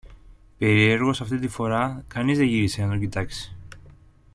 Περιέργως αυτή τη φορά κανείς δεν γύρισε να τον κοιτάξει.